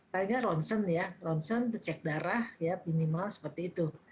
paling tidak ronsen ya ronsen kecek darah ya minimal seperti itu